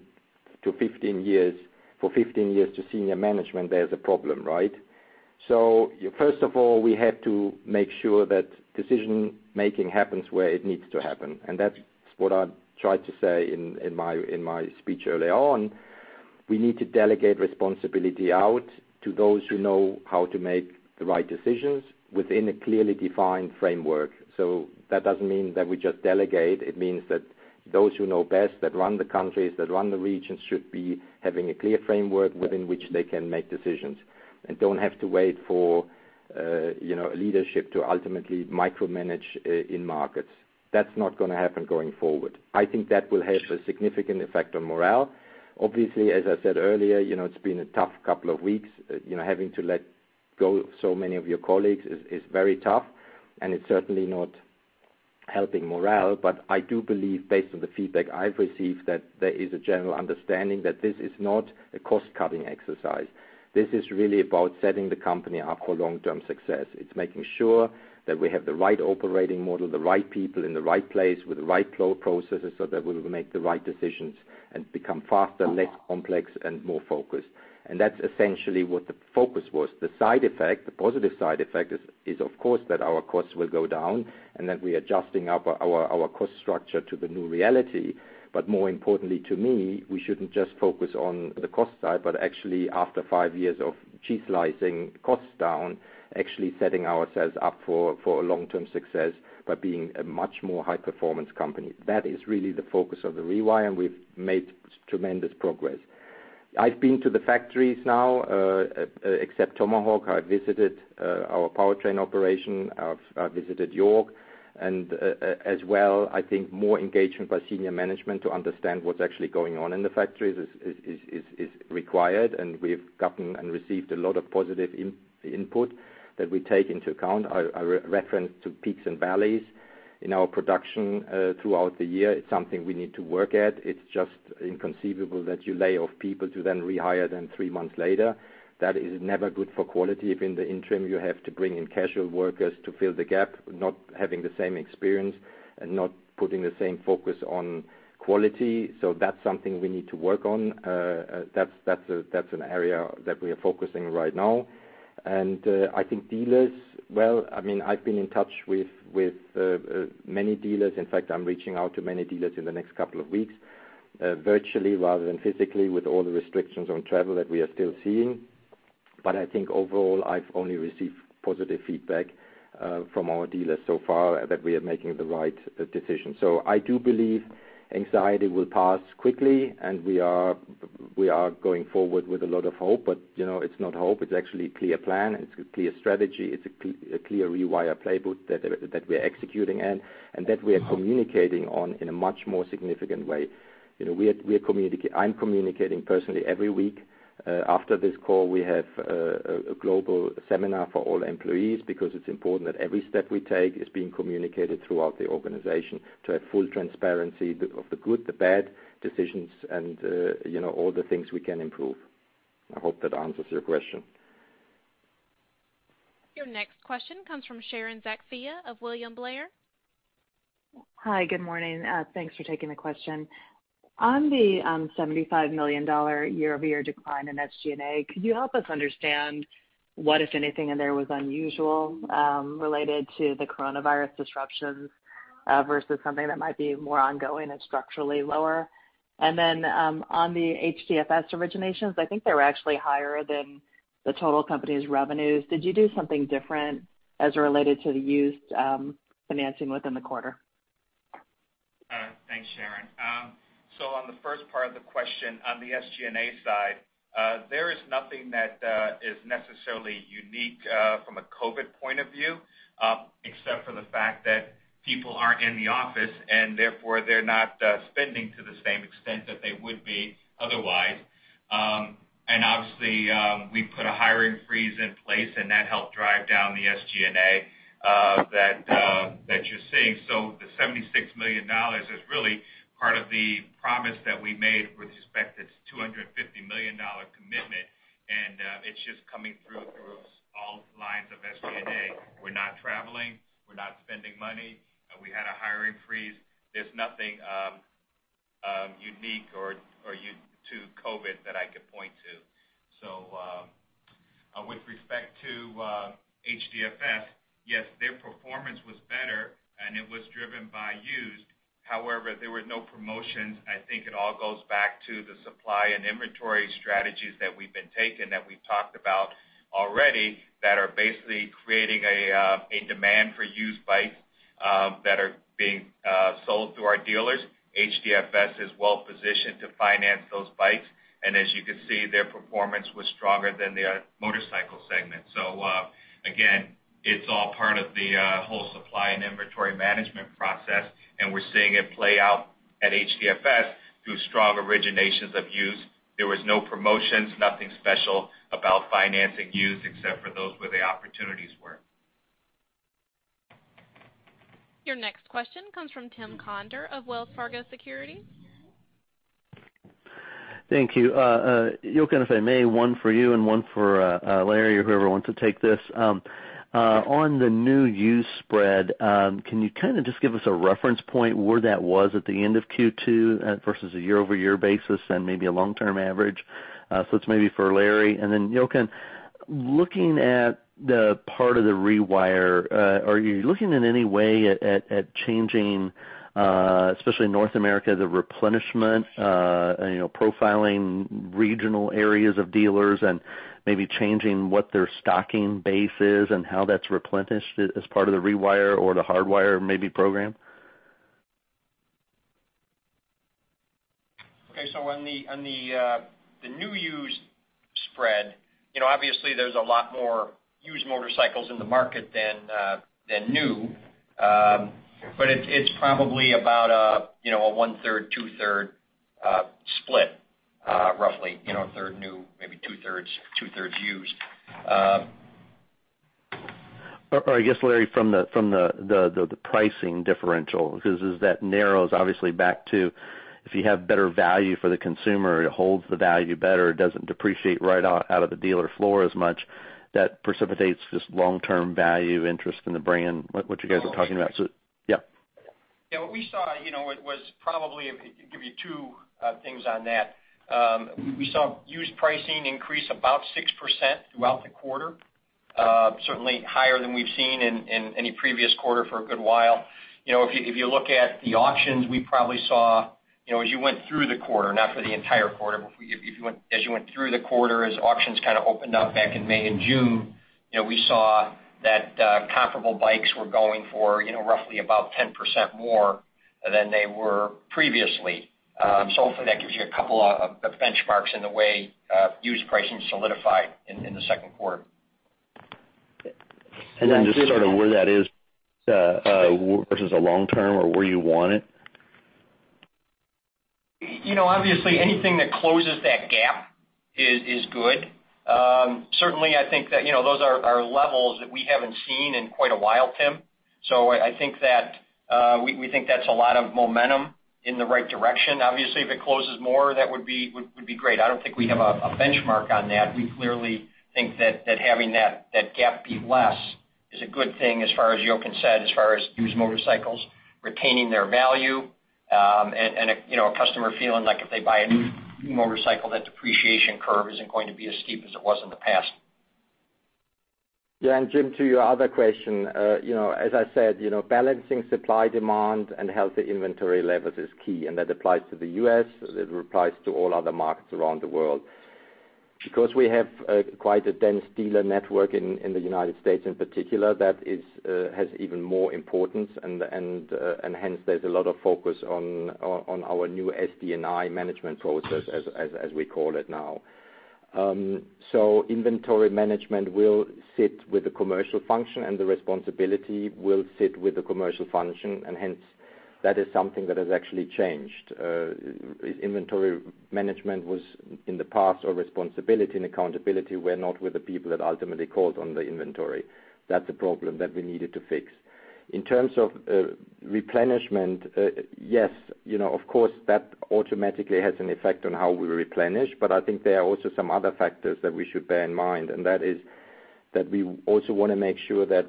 for 15 years to senior management, there's a problem, right? So first of all, we have to make sure that decision-making happens where it needs to happen. And that's what I tried to say in my speech early on. We need to delegate responsibility out to those who know how to make the right decisions within a clearly defined framework. So that doesn't mean that we just delegate. It means that those who know best, that run the countries, that run the regions, should be having a clear framework within which they can make decisions and don't have to wait for leadership to ultimately micromanage in markets. That's not going to happen going forward. I think that will have a significant effect on morale. Obviously, as I said earlier, it's been a tough couple of weeks. Having to let go of so many of your colleagues is very tough, and it's certainly not helping morale. But I do believe, based on the feedback I've received, that there is a general understanding that this is not a cost-cutting exercise. This is really about setting the company up for long-term success. It's making sure that we have the right operating model, the right people in the right place with the right processes so that we will make the right decisions and become faster, less complex, and more focused. And that's essentially what the focus was. The side effect, the positive side effect, is, of course, that our costs will go down and that we are adjusting our cost structure to the new reality. But more importantly to me, we shouldn't just focus on the cost side, but actually, after five years of cheap-slicing costs down, actually setting ourselves up for long-term success by being a much more high-performance company. That is really the focus of The Rewire, and we've made tremendous progress. I've been to the factories now, except Tomahawk. I've visited our powertrain operation. I've visited York, and as well, I think more engagement by senior management to understand what's actually going on in the factories is required, and we've gotten and received a lot of positive input that we take into account. I referenced to peaks and valleys in our production throughout the year. It's something we need to work at. It's just inconceivable that you lay off people to then rehire them three months later. That is never good for quality. If in the interim, you have to bring in casual workers to fill the gap, not having the same experience and not putting the same focus on quality. So that's something we need to work on. That's an area that we are focusing right now. And I think dealers, well, I mean, I've been in touch with many dealers. In fact, I'm reaching out to many dealers in the next couple of weeks virtually rather than physically with all the restrictions on travel that we are still seeing. But I think overall, I've only received positive feedback from our dealers so far that we are making the right decision. So I do believe anxiety will pass quickly, and we are going forward with a lot of hope, but it's not hope. It's actually a clear plan. It's a clear strategy. It's a clear Rewire playbook that we're executing and that we are communicating on in a much more significant way. I'm communicating personally every week. After this call, we have a global seminar for all employees because it's important that every step we take is being communicated throughout the organization to have full transparency of the good, the bad decisions, and all the things we can improve. I hope that answers your question. Your next question comes from Sharon Zackfia of William Blair. Hi. Good morning. Thanks for taking the question. On the $75 million year-over-year decline in SG&A, could you help us understand what, if anything, there was unusual related to the coronavirus disruptions versus something that might be more ongoing and structurally lower? And then on the HDFS originations, I think they were actually higher than the total company's revenues. Did you do something different as it related to the used financing within the quarter? Thanks, Sharon. So on the first part of the question, on the SG&A side, there is nothing that is necessarily unique from a COVID point of view except for the fact that people aren't in the office, and therefore, they're not spending to the same extent that they would be otherwise. And obviously, we put a hiring freeze in place, and that helped drive down the SG&A that you're seeing. So the $76 million is really part of the promise that we made with respect to the $250 million commitment, and it's just coming through all lines of SG&A. We're not traveling. We're not spending money. We had a hiring freeze. There's nothing unique or to COVID that I could point to. So with respect to HDFS, yes, their performance was better, and it was driven by used. However, there were no promotions. I think it all goes back to the supply and inventory strategies that we've been taking that we've talked about already that are basically creating a demand for used bikes that are being sold through our dealers. HDFS is well-positioned to finance those bikes, and as you can see, their performance was stronger than the motorcycle segment. So again, it's all part of the whole supply and inventory management process, and we're seeing it play out at HDFS through strong originations of use. There were no promotions, nothing special about financing used except for those where the opportunities were. Your next question comes from Tim Conder of Wells Fargo Security. Thank you. Jochen, if I may, one for you and one for Larry or whoever wants to take this. On the new use spread, can you kind of just give us a reference point where that was at the end of Q2 versus a year-over-year basis and maybe a long-term average? So it's maybe for Larry. And then, Jochen, looking at the part of The Rewire, are you looking in any way at changing, especially in North America, the replenishment, profiling regional areas of dealers and maybe changing what their stocking base is and how that's replenished as part of The Rewire or the hardwire maybe program? Okay. So on the new use spread, obviously, there's a lot more used motorcycles in the market than new, but it's probably about a one-third, two-third split, roughly. A third new, maybe two-thirds, two-thirds used. Or I guess, Larry, from the pricing differential, because that narrows obviously back to if you have better value for the consumer, it holds the value better. It doesn't depreciate right out of the dealer floor as much. That precipitates just long-term value interest in the brand, what you guys are talking about. Yeah. Yeah. What we saw was probably I'll give you two things on that. We saw used pricing increase about 6% throughout the quarter, certainly higher than we've seen in any previous quarter for a good while. If you look at the auctions, we probably saw as you went through the quarter, not for the entire quarter, but as you went through the quarter, as auctions kind of opened up back in May and June, we saw that comparable bikes were going for roughly about 10% more than they were previously. So hopefully, that gives you a couple of benchmarks in the way used pricing solidified in the second quarter. And then just sort of where that is versus a long term or where you want it? Obviously, anything that closes that gap is good. Certainly, I think that those are levels that we haven't seen in quite a while, Tim. So I think that we think that's a lot of momentum in the right direction. Obviously, if it closes more, that would be great. I don't think we have a benchmark on that. We clearly think that having that gap be less is a good thing as far as Jochen said, as far as used motorcycles retaining their value and a customer feeling like if they buy a new motorcycle, that depreciation curve isn't going to be as steep as it was in the past. Yeah. And Tim, to your other question, as I said, balancing supply demand and healthy inventory levels is key, and that applies to the U.S. It applies to all other markets around the world. Because we have quite a dense dealer network in the United States in particular, that has even more importance, and hence, there's a lot of focus on our new SD&I management process, as we call it now. So inventory management will sit with the commercial function, and the responsibility will sit with the commercial function, and hence, that is something that has actually changed. Inventory management was in the past a responsibility and accountability. We're not with the people that ultimately called on the inventory. That's a problem that we needed to fix. In terms of replenishment, yes, of course, that automatically has an effect on how we replenish, but I think there are also some other factors that we should bear in mind, and that is that we also want to make sure that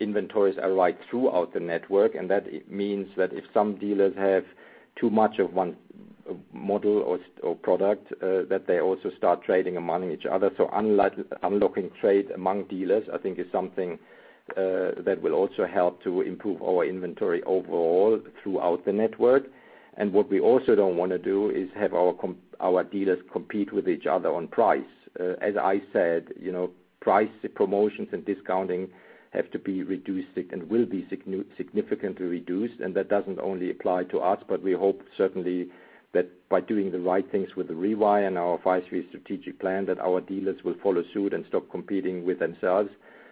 inventories are right throughout the network, and that means that if some dealers have too much of one model or product, that they also start trading among each other. So unlocking trade among dealers, I think, is something that will also help to improve our inventory overall throughout the network. And what we also don't want to do is have our dealers compete with each other on price. As I said, price, promotions, and discounting have to be reduced and will be significantly reduced, and that doesn't only apply to us, but we hope certainly that by doing the right things with The Rewire and our advisory strategic plan, that our dealers will follow suit and stop competing with themselves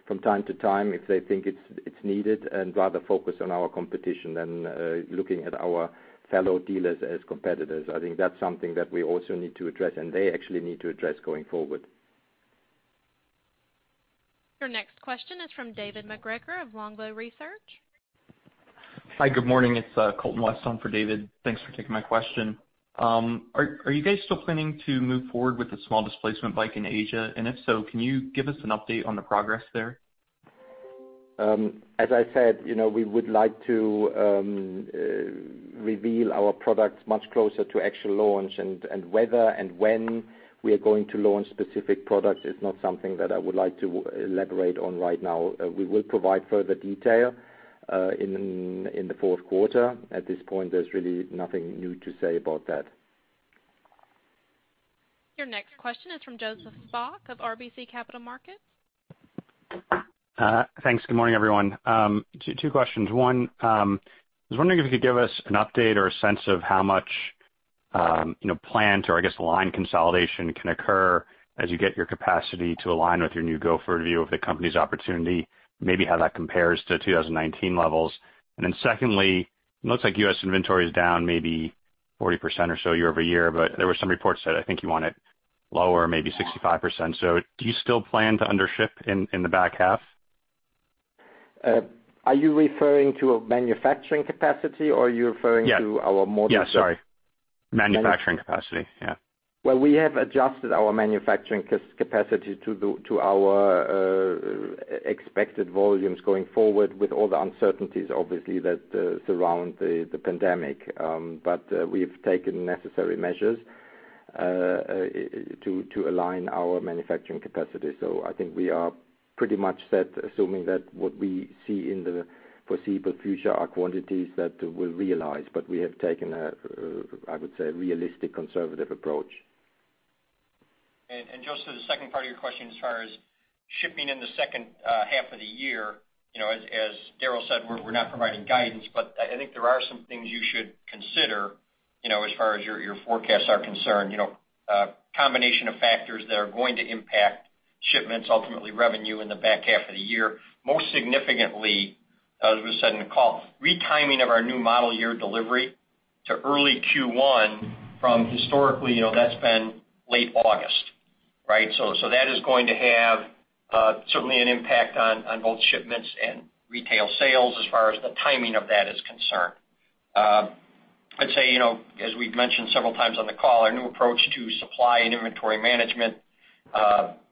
from time to time if they think it's needed and rather focus on our competition than looking at our fellow dealers as competitors. I think that's something that we also need to address, and they actually need to address going forward. Your next question is from David MacGregor of Longbow Research. Hi. Good morning. It's Colton West on for David. Thanks for taking my question. Are you guys still planning to move forward with the small displacement bike in Asia? And if so, can you give us an update on the progress there? As I said, we would like to reveal our products much closer to actual launch, and whether and when we are going to launch specific products is not something that I would like to elaborate on right now. We will provide further detail in the fourth quarter. At this point, there's really nothing new to say about that. Your next question is from Joseph Spak of RBC Capital Markets. Thanks. Good morning, everyone. Two questions. One, I was wondering if you could give us an update or a sense of how much plant or, I guess, line consolidation can occur as you get your capacity to align with your new go-forward view of the company's opportunity, maybe how that compares to 2019 levels. And then secondly, it looks like U.S. inventory is down maybe 40% or so year-over-year, but there were some reports that I think you want it lower, maybe 65%. So do you still plan to undership in the back half? Are you referring to manufacturing capacity, or are you referring to our motor? Yeah. Sorry. Manufacturing capacity. Yeah. Well, we have adjusted our manufacturing capacity to our expected volumes going forward with all the uncertainties, obviously, that surround the pandemic, but we've taken necessary measures to align our manufacturing capacity. So I think we are pretty much set assuming that what we see in the foreseeable future are quantities that we'll realize, but we have taken, I would say, a realistic conservative approach. And Joseph, the second part of your question as far as shipping in the second half of the year, as Darrell said, we're not providing guidance, but I think there are some things you should consider as far as your forecasts are concerned, a combination of factors that are going to impact shipments, ultimately revenue in the back half of the year. Most significantly, as we said in the call, retiming of our new model year delivery to early Q1 from historically, that's been late August, right? So that is going to have certainly an impact on both shipments and retail sales as far as the timing of that is concerned. I'd say, as we've mentioned several times on the call, our new approach to supply and inventory management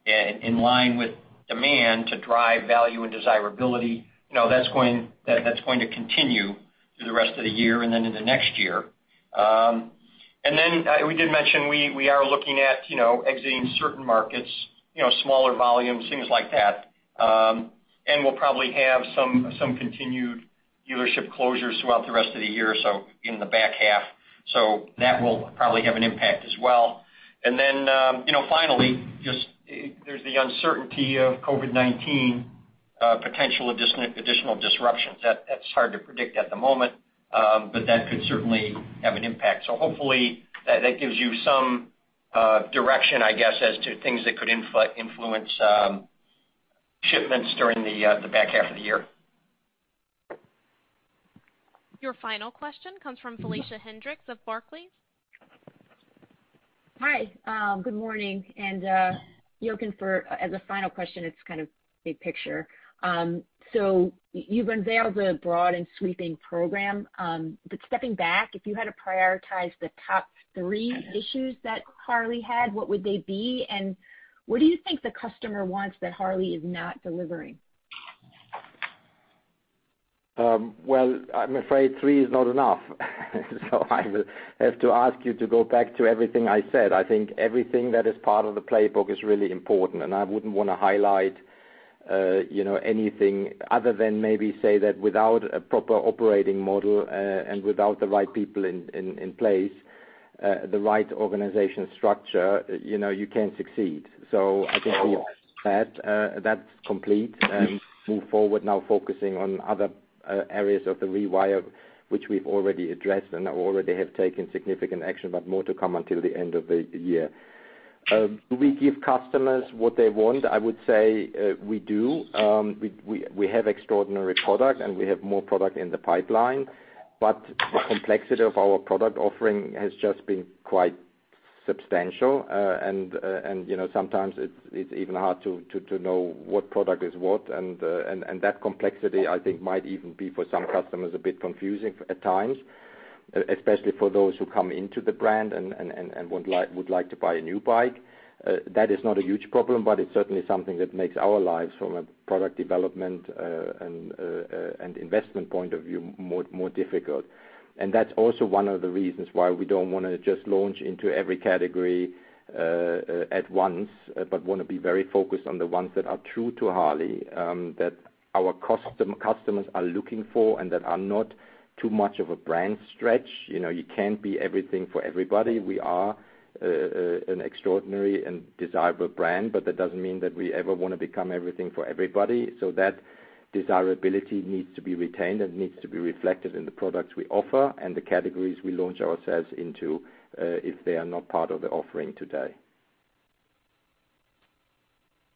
in line with demand to drive value and desirability, that's going to continue through the rest of the year and then into next year. And then we did mention we are looking at exiting certain markets, smaller volumes, things like that, and we'll probably have some continued dealership closures throughout the rest of the year, so in the back half. So that will probably have an impact as well. And then finally, just there's the uncertainty of COVID-19, potential additional disruptions. That's hard to predict at the moment, but that could certainly have an impact. So hopefully, that gives you some direction, I guess, as to things that could influence shipments during the back half of the year. Your final question comes from Felicia Hendricks of Barclays. Hi. Good morning. And Jochen, as a final question, it's kind of a big picture. So you've unveiled a broad and sweeping program, but stepping back, if you had to prioritize the top three issues that Harley had, what would they be? And what do you think the customer wants that Harley is not delivering? Well, I'm afraid three is not enough. So I will have to ask you to go back to everything I said. I think everything that is part of the playbook is really important, and I wouldn't want to highlight anything other than maybe say that without a proper operating model and without the right people in place, the right organization structure, you can't succeed. So I think we have that. That's complete. Move forward now, focusing on other areas of The Rewire, which we've already addressed and already have taken significant action, but more to come until the end of the year. Do we give customers what they want? I would say we do. We have extraordinary product, and we have more product in the pipeline, but the complexity of our product offering has just been quite substantial, and sometimes it's even hard to know what product is what, and that complexity, I think, might even be for some customers a bit confusing at times, especially for those who come into the brand and would like to buy a new bike. That is not a huge problem, but it's certainly something that makes our lives from a product development and investment point of view more difficult. And that's also one of the reasons why we don't want to just launch into every category at once, but want to be very focused on the ones that are true to Harley, that our customers are looking for and that are not too much of a brand stretch. You can't be everything for everybody. We are an extraordinary and desirable brand, but that doesn't mean that we ever want to become everything for everybody. So that desirability needs to be retained and needs to be reflected in the products we offer and the categories we launch ourselves into if they are not part of the offering today.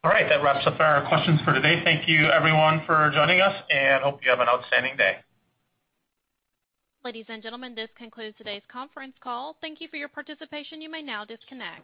All right. That wraps up our questions for today. Thank you, everyone, for joining us, and hope you have an outstanding day. Ladies and gentlemen, this concludes today's conference call. Thank you for your participation. You may now disconnect.